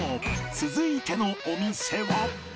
続いてのお店は。